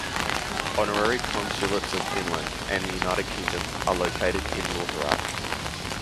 Honorary consulates of Finland, and the United Kingdom are located in Lauterach.